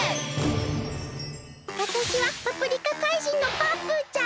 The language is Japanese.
わたしはパプリカ怪人のパープーちゃん！